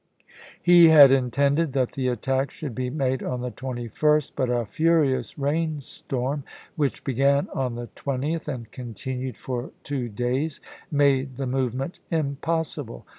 He had intended that the attack should be made on the 21st, but a furious rainstorm, which Nov., isea. began on the 20th and continued for two days, made the movement impossible.